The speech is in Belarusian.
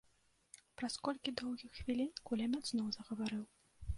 Праз колькі доўгіх хвілін кулямёт зноў загаварыў.